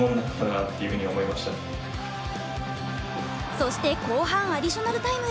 そして後半アディショナルタイムへ。